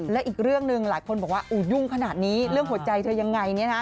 และอีกเรื่องหนึ่งหลายคนบอกว่ายุ่งขนาดนี้เรื่องหัวใจเธอยังไงเนี่ยนะ